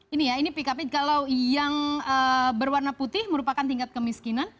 ini ya ini pick up nya kalau yang berwarna putih merupakan tingkat kemiskinan